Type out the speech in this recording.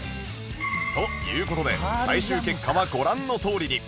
という事で最終結果はご覧のとおりに